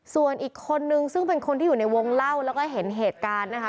ส่วนอีกคนนึงซึ่งเป็นคนที่อยู่ในวงเล่าแล้วก็เห็นเหตุการณ์นะคะ